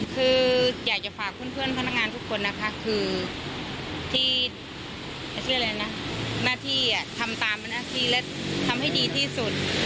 คืออยากจะฝากเพื่อนพนักงานทุกคนนะคะคือที่อะไรนะหน้าที่ทำตามหน้าที่และทำให้ดีที่สุด